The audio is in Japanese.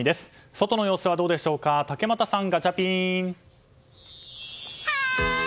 外の様子はどうでしょうか竹俣さん、ガチャピン。